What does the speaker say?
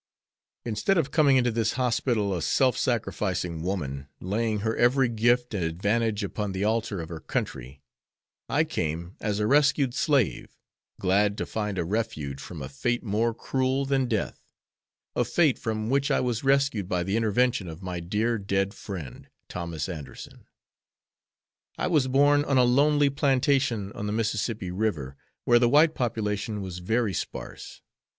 "Instead of coming into this hospital a self sacrificing woman, laying her every gift and advantage upon the altar of her country, I came as a rescued slave, glad to find a refuge from a fate more cruel than death; a fate from which I was rescued by the intervention of my dear dead friend, Thomas Anderson. I was born on a lonely plantation on the Mississippi River, where the white population was very sparse.